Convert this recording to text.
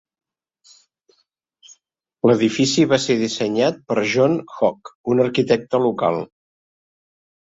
L"edifici va ser dissenyat per John Hogg, un arquitecte local.